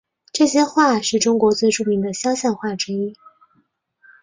这些画是中国最著名的肖像画之一。